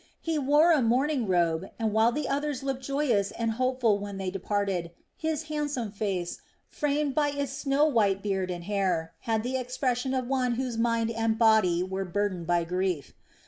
He wore a mourning robe, and while the others looked joyous and hopeful when they parted, his handsome face, framed by its snow white beard and hair, had the expression of one whose mind and body were burdened by grief.